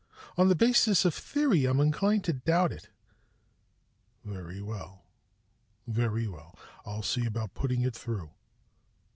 "On the basis of theory, I'm inclined to doubt it." "Very well, very well. I'll see about putting it through.